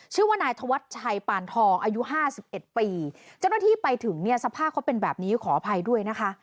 ชื่อว่านายธวัชชัยปานทองอายุห้าสิบเอ็ดปีเจ้าหน้าที่ไปถึงเนี่ยสภาพเขาเป็นแบบนี้ขออภัยด้วยนะคะ